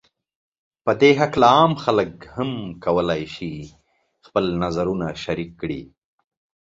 په دې هکله عام خلک هم کولای شي خپل نظرونو شریک کړي